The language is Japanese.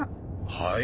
はい。